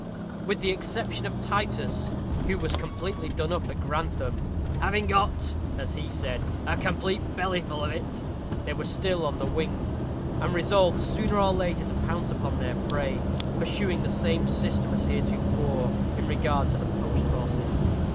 With the exception of Titus, who was completely done up at Grantham, "having got," as he said, "a complete bellyful of it," they were still on the wing, and resolved sooner or later to pounce upon their prey, pursuing the same system as heretofore in regard to the post horses.